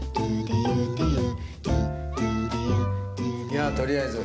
ではとりあえず。